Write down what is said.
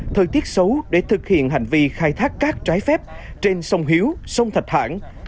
thời tiết xấu để thực hiện hành vi khai thác cát trái phép trên sông hiếu sông thạch hãn